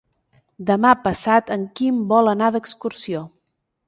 Demà passat en Quim vol anar d'excursió.